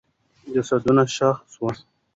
جسدونه ښخ سول.